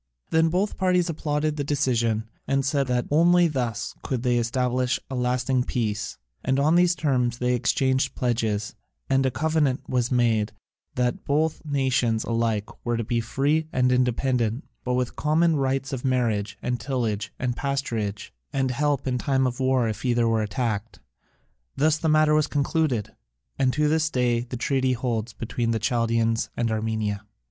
Then both parties applauded the decision, and said that only thus could they establish a lasting peace, and on these terms they exchanged pledges, and a covenant was made that both nations alike were to be free and independent, but with common rights of marriage, and tillage, and pasturage, and help in time of war if either were attacked. Thus the matter was concluded, and to this day the treaty holds between the Chaldaeans and Armenia.